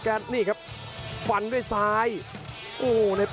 เกรียรติเล่นมันอื่นต่อ